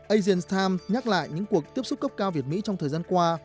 asian times nhắc lại những cuộc tiếp xúc cấp cao việt mỹ trong thời gian qua